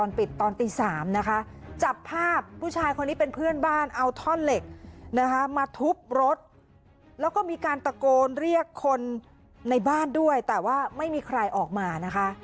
แล้วก็มีการตะโกนเรียกคนในบ้านด้วยแต่ว่าไม่มีใครออกมานะคะ